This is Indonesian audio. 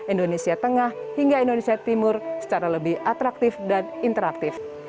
indonesia tengah hingga indonesia timur secara lebih atraktif dan interaktif